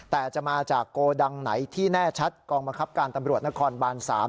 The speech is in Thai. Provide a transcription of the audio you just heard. แต่จะมาจากโกดังไหนที่แน่ชัดกองบังคับการตำรวจนครบาน๓